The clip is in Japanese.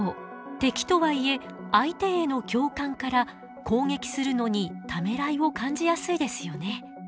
敵とはいえ相手への共感から攻撃するのにためらいを感じやすいですよね。